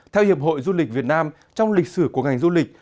theo hiệp hội du lịch việt nam trong lịch sử của ngành du lịch